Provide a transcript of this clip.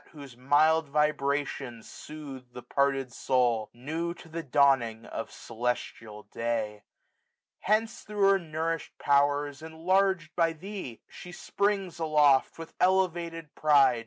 Whose mild vibrations soothe th6 parted soul. New to the dawning of celestial day. 1735 Hence thro' her ttourish'd powers, enlaig'd by thee. She springs aloft, with elevated pride.